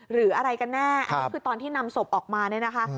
หรืออะไรกันแน่อันนี้คือตอนที่นำศพออกมาเนี่ยนะคะ